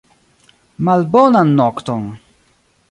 Malbonan nokton!